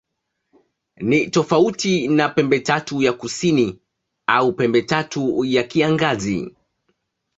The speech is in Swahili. Ni tofauti na Pembetatu ya Kusini au Pembetatu ya Kiangazi.